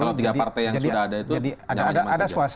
kalau tiga partai yang sudah ada itu nyaman saja